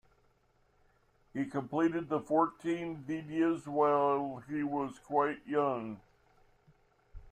He completed the fourteen Vidyas while he was quite young.